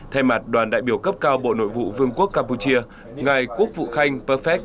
thay mặt đoàn đại biểu cấp cao bộ nội vụ vương quốc campuchia ngài quốc vụ khanh perfect